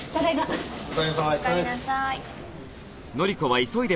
おかえりなさい。